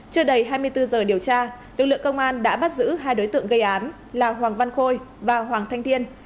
chưa đầy hai mươi bốn giờ điều tra lực lượng công an đã bắt giữ hai đối tượng gây án là hoàng văn khôi và hoàng thanh thiên